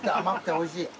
おいしいね。